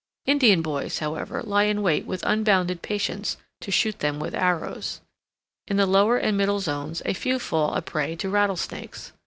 Indian boys, however, lie in wait with unbounded patience to shoot them with arrows. In the lower and middle zones a few fall a prey to rattlesnakes.